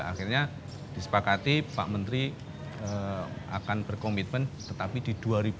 akhirnya disepakati pak menteri akan berkomitmen tetapi di dua ribu dua puluh